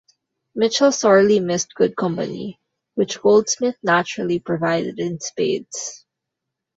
Mitchell sorely missed good company, which Goldsmith naturally provided in spades.